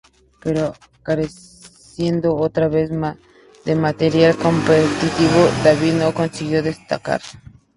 Pero careciendo otra vez de material competitivo, David no consigue destacar.